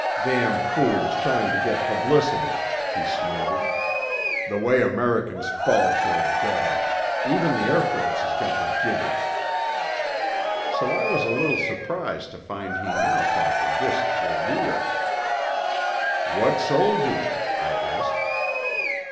"Damn fools trying to get publicity," he snorted. "The way Americans fall for a gag! Even the Air Force has got the jitters." So I was a little surprised to find he now thought the disks were real. "What sold you?" I asked.